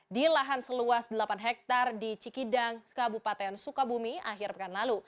di lahan seluas delapan hektare di cikidang kabupaten sukabumi akhir pekan lalu